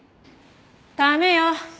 駄目よ。